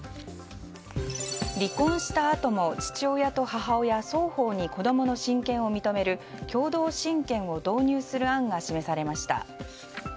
離婚したあとも父親と母親双方に子供の親権を認める共同親権を導入する案が示されました。